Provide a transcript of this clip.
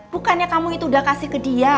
bukannya kamu itu udah kasih ke dia